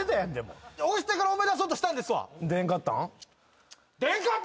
押してから思い出そうとしたんですわ！